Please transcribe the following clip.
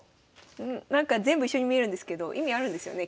なんか全部一緒に見えるんですけど意味あるんですよね？